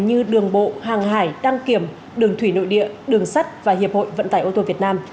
như đường bộ hàng hải đăng kiểm đường thủy nội địa đường sắt và hiệp hội vận tải ô tô việt nam